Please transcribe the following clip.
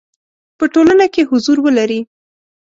په ټولنه کې حضور ولري.